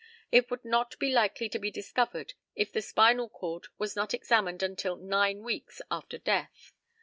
It would not be likely to be discovered if the spinal cord was not examined until nine weeks after death.